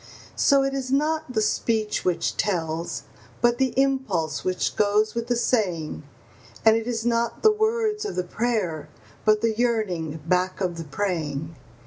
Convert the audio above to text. So it is not the speech which tells, but the impulse which goes with the saying; And it is not the words of the prayer, but the yearning back of the praying.